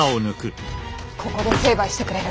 ここで成敗してくれる。